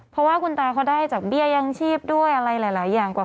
เพราะว่าคุณตาเขาได้จากเบี้ยยังชีพด้วยอะไรหลายอย่างกว่า